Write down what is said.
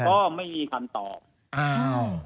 ก็มีคำตอบ